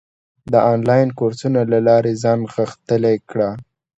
د انلاین کورسونو له لارې ځان غښتلی کړه.